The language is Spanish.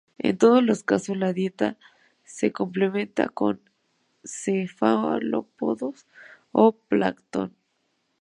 En todos los casos la dieta se complementa con cefalópodos o plancton.